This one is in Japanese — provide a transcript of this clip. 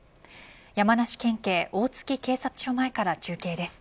山梨県警大月警察署前から中継です。